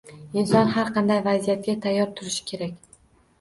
Inson har qanday vaziyatga tayyor turishi kerak